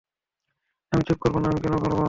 আমি চুপ করবো না, আমি কেন করবো?